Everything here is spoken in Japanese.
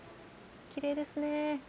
きれいですね。